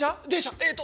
えっと。